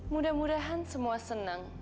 mudah mudahan semua seneng